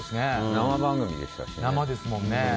生番組でしたしね。